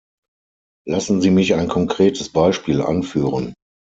Lassen Sie mich ein konkretes Beispiel anführen.